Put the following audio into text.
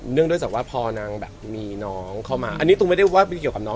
ด้วยจากว่าพอนางแบบมีน้องเข้ามาอันนี้ตูมไม่ได้ว่าไปเกี่ยวกับน้อง